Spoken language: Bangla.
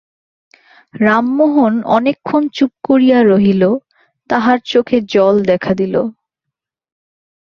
রামমোহন অনেকক্ষণ চুপ করিয়া রহিল, তাহার চোখে জল দেখা দিল।